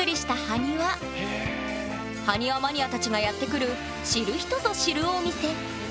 埴輪マニアたちがやって来る知る人ぞ知るお店。